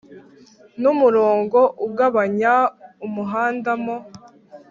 n'umurongo ugabanya umuhanda mo